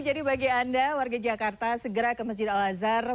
jadi bagi anda warga jakarta segera ke masjid al azhar